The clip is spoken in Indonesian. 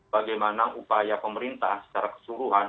bagaimana upaya pemerintah secara keseluruhan